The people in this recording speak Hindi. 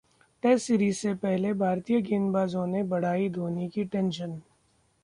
टेस्ट सीरीज से पहले भारतीय गेंदबाजों ने बढ़ाई धोनी की टेंशन